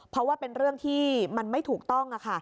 เพราะว่าเป็นเรื่องที่มันไม่ถูกต้อง